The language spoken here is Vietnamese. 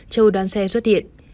cho đoàn xe xuất hiện